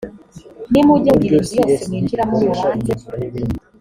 nimujya mugira inzu yose mwinjiramo mubanze